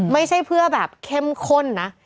ไม่ใช่เพื่อแบบเข้มข้นนะ